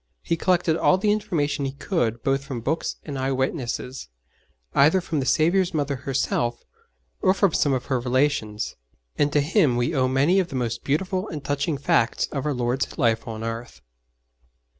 He collected all the information he could both from books and eye witnesses either from the Saviour's Mother herself, or from some of her relations and to him we owe many of the most beautiful and touching facts of our Lord's life on earth.